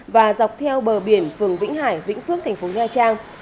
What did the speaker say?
và dọc theo bờ biển phường vĩnh hải vĩnh phước thành phố nha trang